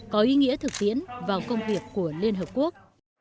có ý nghĩa thực tiễn vào công việc của liên hợp quốc